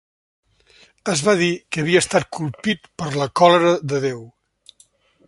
Es va dir que havia estat colpit per la còlera de Déu.